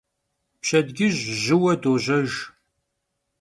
Pşedcıj jıue dojejj.